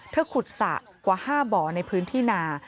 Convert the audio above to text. ขุดสระกว่า๕บ่อในพื้นที่นา